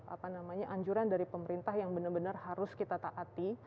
apa namanya anjuran dari pemerintah yang benar benar harus kita taati